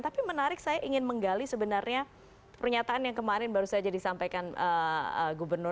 tapi menarik saya ingin menggali sebenarnya pernyataan yang kemarin baru saja disampaikan gubernur